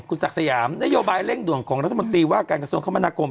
คุณสักษะหยามนโยบายเล่นด่วนของรัฐบาลการณ์กรรมองค์คม